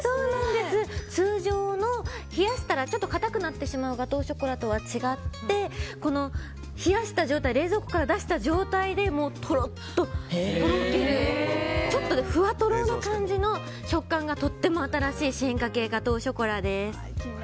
通常の冷やしたら硬くなってしまうガトーショコラとは違って冷やした状態冷蔵庫から出した状態でとろっととろけるふわとろな感じの食感がとても新しい進化系ガトーショコラです。